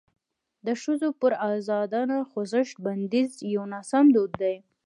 د ښځو پر ازادانه خوځښت بندیز یو ناسم دود دی.